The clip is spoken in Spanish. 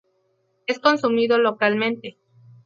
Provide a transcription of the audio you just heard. Es consumido localmente.